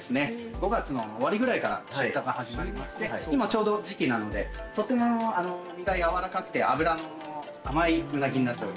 ５月の終わりぐらいから出荷が始まりまして今ちょうど時季なのでとても身がやわらかくて脂の甘いうなぎになっております。